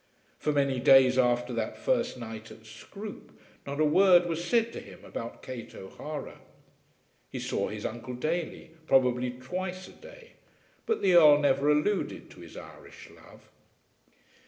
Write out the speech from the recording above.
For many days after that first night at Scroope not a word was said to him about Kate O'Hara. He saw his uncle daily, probably twice a day; but the Earl never alluded to his Irish love.